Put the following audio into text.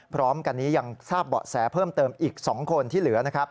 พร้อมกันนี้ยังทราบเบาะแสเพิ่มเติมอีก๒คนที่เหลือนะครับ